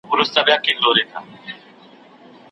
میرویس روغتون مهم روغتیايي مرکز دی.